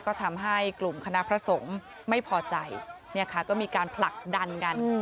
ก็ทำให้กลุ่มคณะพระสงฆ์ไม่พอใจเนี่ยค่ะก็มีการผลักดันกัน